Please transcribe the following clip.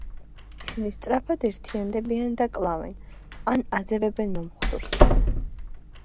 ისინი სწრაფად ერთიანდებიან და კლავენ, ან აძევებენ მომხდურს.